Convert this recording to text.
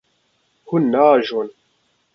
Hûn naajon.